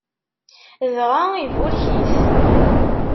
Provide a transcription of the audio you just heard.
Dɣa iburek-it.